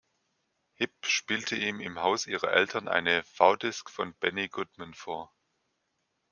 Hipp spielte ihm im Haus ihrer Eltern eine V-Disc von Benny Goodman vor.